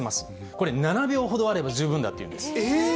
これ、７秒ほどあれば十分だってえー！